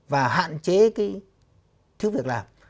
và hạn chế thiếu việc làm